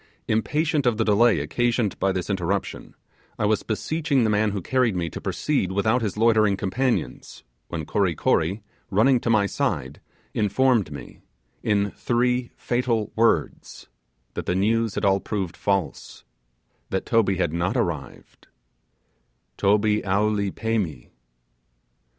Impatient of the delay occasioned by this interruption, I was beseeching the man who carried me to proceed without his loitering companions, when Kory Kory, running to my side, informed me, in three fatal words, that the news had all proved, false that Toby had not arrived 'Toby owlee pemi'.